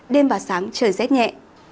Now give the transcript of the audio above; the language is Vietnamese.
đêm và sáng trời rét nhẹ